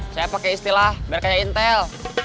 saya pakai istilah berkaya intel